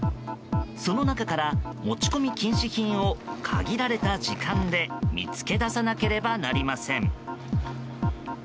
その中から持ち込み禁止品を限られた時間で見つけ出さなければなりません。